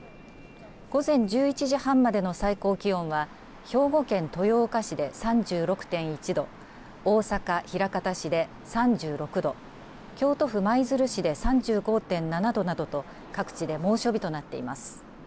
午前１１時半までの最高気温は兵庫県豊岡市で３６．１度大阪枚方市で３６度京都府舞鶴市で３５．７度などと各地で猛暑日となっています。